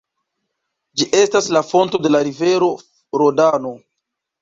Ĝi estas la fonto de la rivero Rodano.